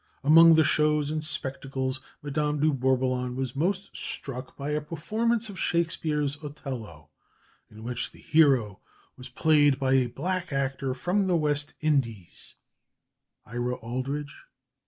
Among the shows and spectacles, Madame de Bourboulon was most struck by a performance of Shakespeare's "Othello," in which the hero was played by a black actor from the West Indies (Ira Aldridge?)